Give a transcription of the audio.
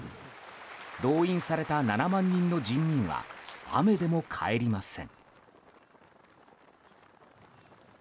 動員された７万人の人民は雨でも帰りません。